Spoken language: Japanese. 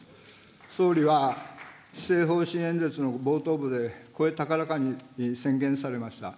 総理は施政方針演説の冒頭部で声高らかに宣言されました。